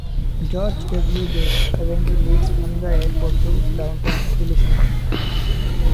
George W. Bush Avenue leads from the airport to downtown Tbilisi.